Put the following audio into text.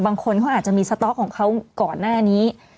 บางคนเขาอาจจะมีสต๊อกของเขาก่อนหน้านี้